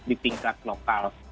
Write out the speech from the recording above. di tingkat lokal